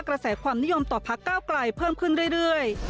กระแสความนิยมต่อพักก้าวไกลเพิ่มขึ้นเรื่อย